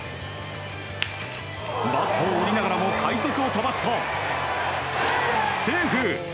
バットを折りながらも快足を飛ばすとセーフ。